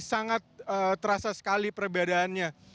sangat terasa sekali perbedaannya